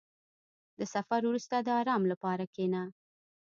• د سفر وروسته، د آرام لپاره کښېنه.